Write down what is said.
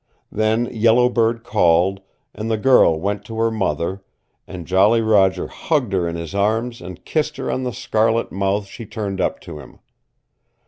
Then Yellow Bird called, and the girl went to her mother, and Jolly Roger hugged her in his arms and kissed her on the scarlet mouth she turned up to him.